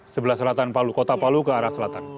sebelah selatan palu kota palu ke arah selatan